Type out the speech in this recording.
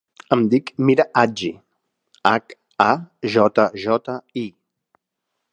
Em dic Mira Hajji: hac, a, jota, jota, i.